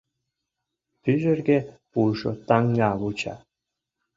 Пижерге пуышо таҥна вуча.